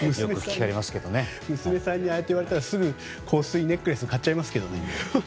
娘さんにああやって言われたらすぐに香水、ネックレスを買っちゃいますけどね。